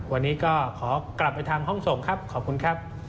วันนี้ก็ขอกลับไปทางห้องส่งครับขอบคุณครับ